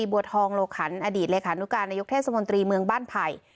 บัวทองโลขันอดีตเลขานุการนายกเทศมนตรีเมืองบ้านไผ่